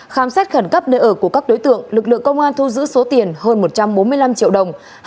khám xét khẩn cấp nơi ở của các đối tượng lực lượng công an thu giữ số tiền hơn một trăm bốn mươi năm triệu đồng